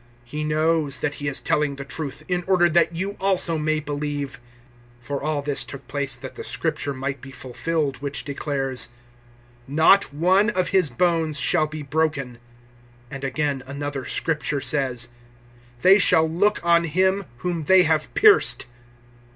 He knows that he is telling the truth in order that you also may believe. 019:036 For all this took place that the Scripture might be fulfilled which declares, "Not one of His bones shall be broken." 019:037 And again another Scripture says, "They shall look on Him whom they have pierced."